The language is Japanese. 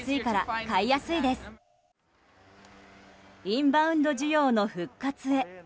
インバウンド需要の復活へ。